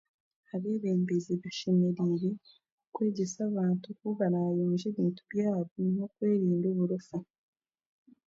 Abeebembezi bashemereire kwegyesa abantu nk'oku baraayonje ebintu byabo n'okwerinda oburofa.